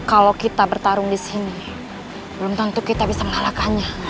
kalau kita bertarung di sini belum tentu kita bisa mengalahkannya